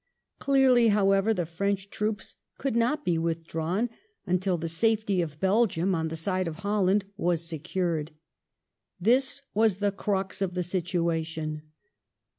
Clearly, however, the French troops could not be withdrawn until the safety of Belgium, on the side of Holland, was secured. This was the crux of the situation.